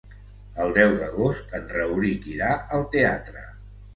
El deu d'agost en Rauric irà al teatre.